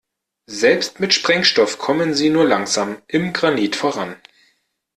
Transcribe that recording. Selbst mit Sprengstoff kommen sie nur langsam im Granit voran.